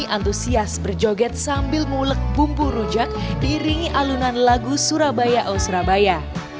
antusias berjoget sambil ngulek bumbu rujak diringi alunan lagu surabaya oh surabaya